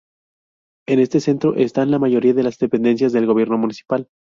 En este Centro están la mayoría de las dependencias del Gobierno Municipal.